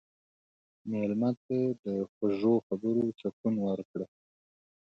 مېلمه ته د خوږې خبرې سکون ورکړه.